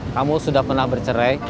kamu sudah pernah bercerai